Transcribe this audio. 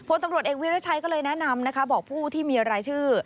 ตำรวจเอกวิรัชัยก็เลยแนะนำนะคะบอกผู้ที่มีรายชื่อ